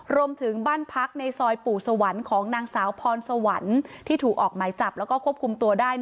รวมถึงบ้านพักในซอยปู่สวรรค์ของนางสาวพรสวรรค์ที่ถูกออกหมายจับแล้วก็ควบคุมตัวได้